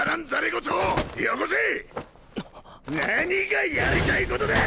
何がやりたいことだ！